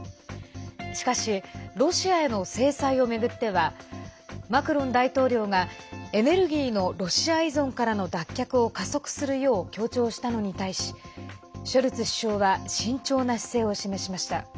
しかしロシアへの制裁を巡ってはマクロン大統領がエネルギーのロシア依存からの脱却を加速するよう強調したのに対しショルツ首相は慎重な姿勢を示しました。